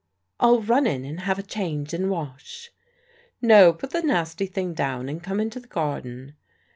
"I'll run in and have a change and wash." "No; put the nasty thing down and come into the garden."